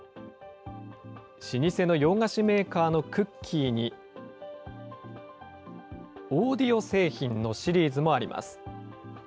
老舗の洋菓子メーカーのクッキーに、オーディオ製品のシリーズもあります。